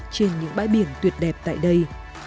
trên những bãi biển tuyệt đẹp tại đây